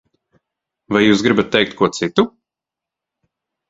Vai jūs gribat teikt ko citu?